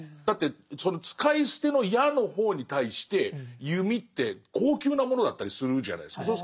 だってその使い捨ての矢の方に対して弓って高級なものだったりするじゃないですか。